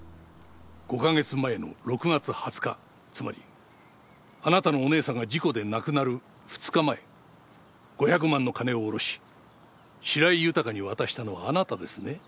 ５カ月前の６月２０日つまりあなたのお姉さんが事故で亡くなる２日前５００万の金を下ろし白井豊に渡したのはあなたですね？